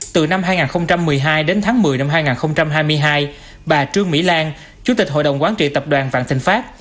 từ năm hai nghìn một mươi hai đến tháng một mươi năm hai nghìn hai mươi hai bà trương mỹ lan chủ tịch hội đồng quán trị tập đoàn vạn thịnh pháp